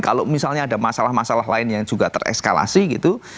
kalau misalnya ada masalah masalah lain yang juga tereskalasi gitu